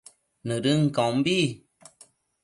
Nëdën caumbi